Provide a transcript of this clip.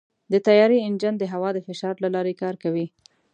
د طیارې انجن د هوا د فشار له لارې کار کوي.